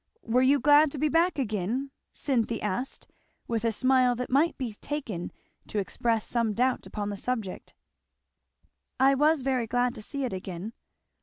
Were you glad to be back again?" Cynthy asked with a smile that might be taken to express some doubt upon the subject. "I was very glad to see it again."